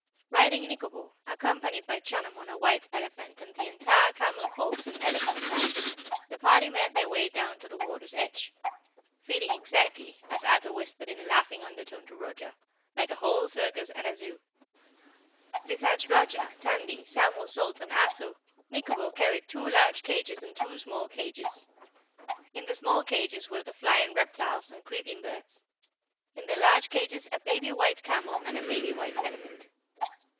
Riding Nikobo, accompanied by Chunum on a white elephant and the entire camel corps and elephant guard, the party made their way down to the water's edge, feeling exactly, as Ato whispered in a laughing undertone to Roger, like a whole circus and a zoo. Besides Roger, Tandy, Samuel Salt and Ato, Nikobo carried two large cages and two small cages. In the small cages were the flying reptiles and creeping birds. In the large cages a baby white camel and a baby white elephant.